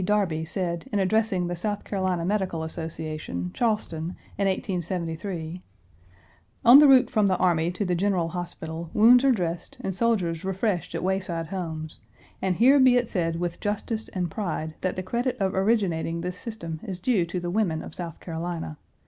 Darby said in addressing the South Carolina Medical Association, Charleston, in 1873: "On the route from the army to the general hospital, wounds are dressed and soldiers refreshed at wayside homes; and here be it said with justice and pride that the credit of originating this system is due to the women of South Carolina.